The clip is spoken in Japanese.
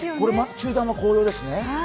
中段の紅葉ですよね？